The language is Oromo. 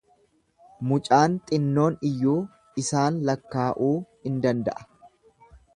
Mucaan xinnoon iyyuu isaan lakkaa'uu in danda'a.